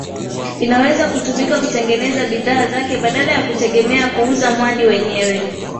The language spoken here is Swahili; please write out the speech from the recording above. Inaweza kutumika kutengeneza bidhaa zake badala ya kutegemea kuuza mwani wenyewe